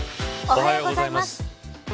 おはようございます。